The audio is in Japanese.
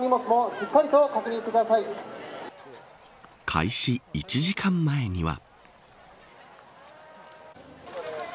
開始１時間前には。